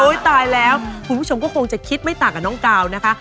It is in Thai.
ตายแล้วคุณผู้ชมก็คงจะคิดไม่ต่างกับน้องกาวนะคะ